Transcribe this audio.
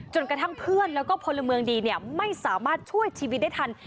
กระทั่งเพื่อนแล้วก็พลเมืองดีไม่สามารถช่วยชีวิตได้ทัน